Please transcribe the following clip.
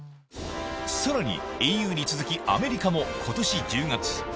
さらにＥＵに続きアメリカも今年１０月